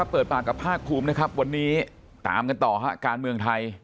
เปิดปากกับภาคภูมินะครับวันนี้ตามกันต่อฮะการเมืองไทย